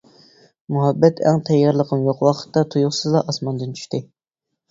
مۇھەببەت ئەڭ تەييارلىقىم يوق ۋاقىتتا تۇيۇقسىزلا ئاسماندىن چۈشتى.